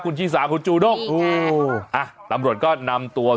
คุณชิษามคุณจูนกอ่าลำรวจก็นำตัว